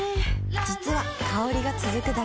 実は香りが続くだけじゃない